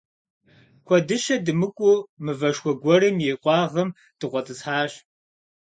Куэдыщэ дымыкӀуу мывэшхуэ гуэрым и къуагъым дыкъуэтӀысхьащ.